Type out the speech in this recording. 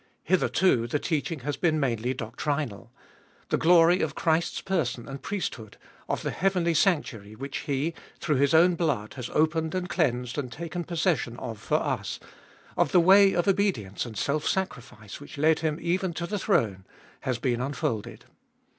Hitherto the teaching has been mainly doctrinal. The glory of Christ's person and priesthood, of the heavenly sanctuary which He, through His own blood, has opened and cleansed and taken possession of for us, of the way of obedience and self sacrifice which led Him even to the throne, has been unfolded.